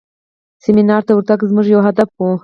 سیمینار ته ورتګ زموږ یو هدف و.